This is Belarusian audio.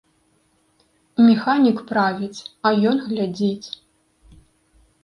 Механік правіць, а ён глядзіць.